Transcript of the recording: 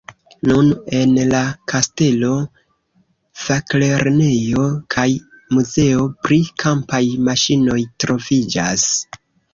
Nun en la kastelo faklernejo kaj muzeo pri kampaj maŝinoj troviĝas.